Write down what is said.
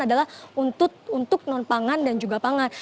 adalah untuk non pangan dan juga pangan